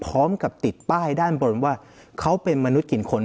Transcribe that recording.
พร้อมกับติดป้ายด้านบนว่าเขาเป็นมนุษย์กินคน